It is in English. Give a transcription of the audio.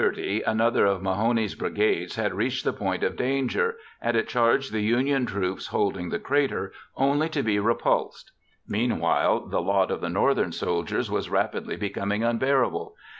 _] By 10:30 another of Mahone's brigades had reached the point of danger, and it charged the Union troops holding the crater, only to be repulsed. Meanwhile, the lot of the Northern soldiers was rapidly becoming unbearable.